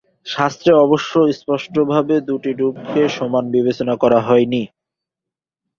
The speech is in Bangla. শাস্ত্রে অবশ্য স্পষ্টভাবে দু’টি রূপকে সমান বিবেচনা করা হয়নি।